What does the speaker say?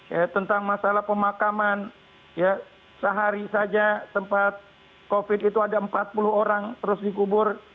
ya tentang masalah pemakaman ya sehari saja tempat covid itu ada empat puluh orang terus dikubur